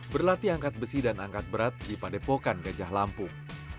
berlatih angkat besi dan angkat berat di padepokan gajah lampung